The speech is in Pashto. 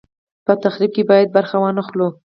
په تخریب کې یې باید برخه وانه خلو.